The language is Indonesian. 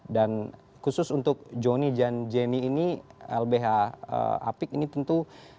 dan khusus untuk joni dan jenny ini lbh apik ini tentu